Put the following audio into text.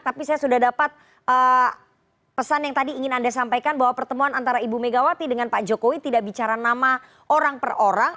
tapi saya sudah dapat pesan yang tadi ingin anda sampaikan bahwa pertemuan antara ibu megawati dengan pak jokowi tidak bicara nama orang per orang